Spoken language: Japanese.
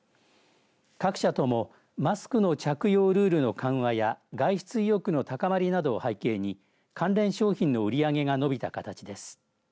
各社ともマスクの着用ルールの緩和や外出意欲の高まりなどを背景に関連商品の売り上げが伸びた形です。